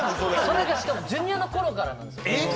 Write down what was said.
それがしかもＪｒ．のころからなんですよ。